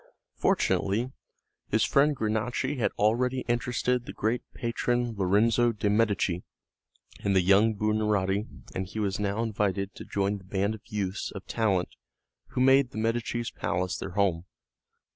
Fortunately his friend Granacci had already interested the great patron, Lorenzo de' Medici, in the young Buonarotti and he was now invited to join the band of youths of talent who made the Medici's palace their home.